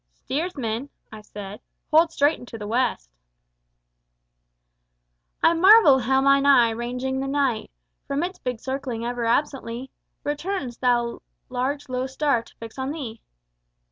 _ Steersman, I said, hold straight into the West. "I marvel how mine eye, ranging the Night, From its big circling ever absently Returns, thou large low Star, to fix on thee.